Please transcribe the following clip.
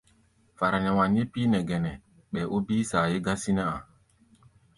Fara nɛ wanyé píí nɛ gɛnɛ, ɓɛɛ ó bíí saayé gásí nɛ́ a̧.